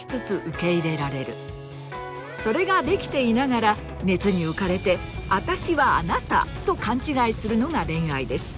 それができていながら熱に浮かれて“あたしはあなた”と勘違いするのが恋愛です。